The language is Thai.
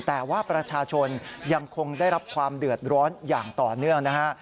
แต่ว่าประชาชนยังคงได้รับความเดือดร้อนอย่างต่อเนื่องนะฮะ